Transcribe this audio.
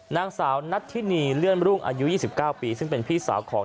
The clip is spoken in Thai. นางสาวนัทธินีเลื่อนรุ่งอายุ๒๙ปีซึ่งเป็นพี่สาวของ